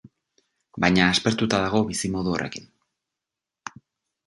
Baina aspertuta dago bizimodu horrekin.